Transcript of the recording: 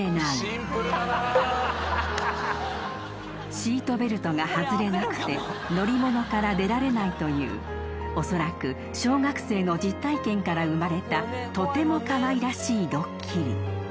［シートベルトが外れなくて乗り物から出られないというおそらく小学生の実体験から生まれたとてもかわいらしいドッキリ］